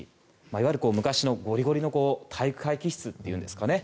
いわゆる昔の、ゴリゴリの体育会気質というんですかね。